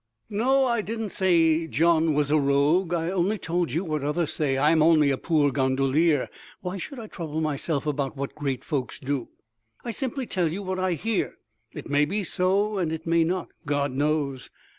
No, I didn't say Gian was a rogue—I only told you what others say. I am only a poor gondolier—why should I trouble myself about what great folks do? I simply tell you what I hear—it may be so, and it may not. God knows!